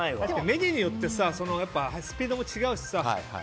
メニューによってスピードも違うしさ。